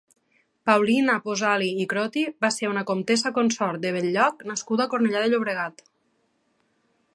Paulina Pozzali i Crotti va ser una comtessa consort de Bell-lloc nascuda a Cornellà de Llobregat.